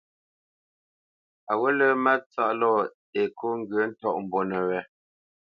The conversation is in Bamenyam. A ghǔt lə́ Mátsáʼ lɔ Ekô ŋgyə̌ ntɔ́ʼmbónə̄ wé.